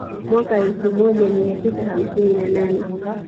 Mwaka elfu moja mia tisa hamsini na nane